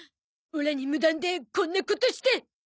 オラに無断でこんなことして！